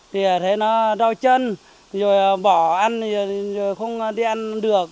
thì thấy nó đau chân rồi bỏ ăn thì không đi ăn được